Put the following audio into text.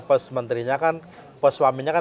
pos menterinya kan pos suaminya kan